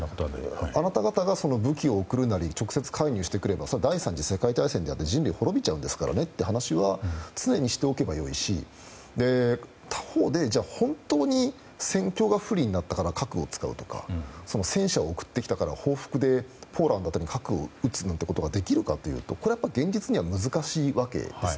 あなた方が武器を送るなり直接介入してくればそれは第３次世界大戦になると人類は滅びちゃうんですからねと話は常にしておけばいいし他方で本当に戦況が不利になったから核を使うとか戦車を送ってきたから、報復でポーランド辺りに核を打つなんてことができるかというと現実には難しいわけです。